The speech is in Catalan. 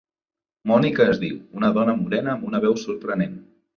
Mònica es diu, una dona morena amb una veu sorprenent.